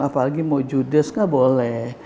apalagi mau judes kan boleh